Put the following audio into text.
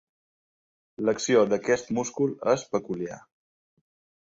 L'acció d'aquest múscul és peculiar.